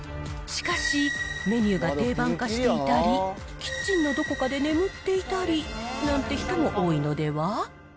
しかし、メニューが定番化していたり、キッチンのどこかで眠っていたりなんていう人も多いのでは。